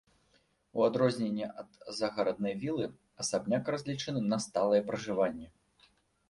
У адрозненне ад загараднай вілы, асабняк разлічаны на сталае пражыванне.